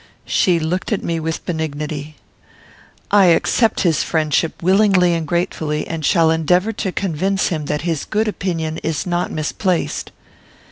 She looked at me with benignity: "I accept his friendship willingly and gratefully, and shall endeavour to convince him that his good opinion is not misplaced."